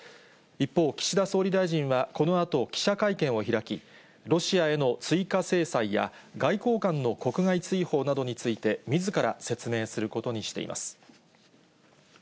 一方、岸田総理大臣はこのあと記者会見を開き、ロシアへの追加制裁や、外交官の国外追放などについて、みずから説明することにしています。